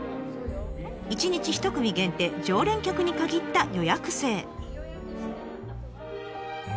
１日１組限定常連客に限った予約制。